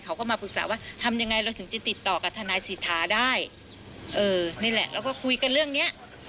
เขาก็มาปรึกษาว่าทำยังไงเราถึงจะติดต่อกับทนายสิทธาได้เออนี่แหละเราก็คุยกันเรื่องเนี้ย